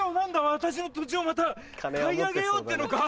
私の土地をまた買い上げようっていうのか。